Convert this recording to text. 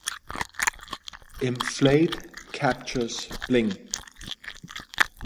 Emplate captures Bling!